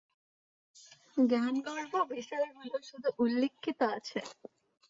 জ্ঞানগর্ভ বিষয়গুলি শুধু উল্লিখিত হইয়াছে।